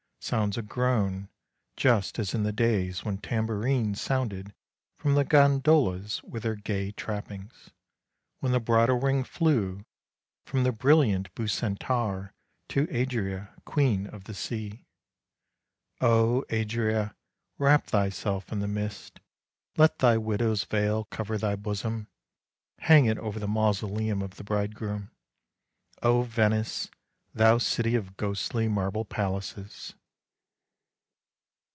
— sounds a groan, just as in the days when tambourines sounded from the gondolas with their gay trappings, when the bridal ring flew from the brilliant Bucentaur to Adria, queen of the sea. Oh, Adria, wrap thyself in the mist! Let thy widow's veil cover thy bosom! Hang it over the mausoleum of the bridegroom, oh Venice, thou city of ghostly marble palaces."